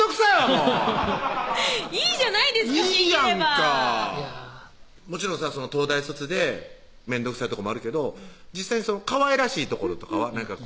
もういいじゃないですかいいやんかもちろんさ東大卒でめんどくさいとこもあるけど実際にかわいらしいところとかは？